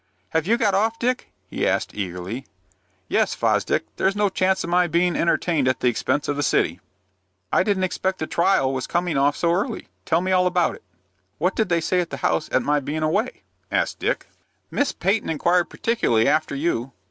"Have you got off, Dick?" he asked, eagerly. "Yes, Fosdick. There's no chance of my being entertained at the expense of the city." "I didn't expect the trial was coming off so early. Tell me all about it." "What did they say at the house at my being away?" asked Dick. "Miss Peyton inquired particularly after you.